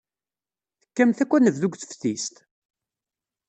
Tekkamt akk anebdu deg teftist?